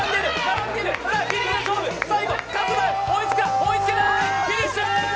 追いつけない、フィニッシュ！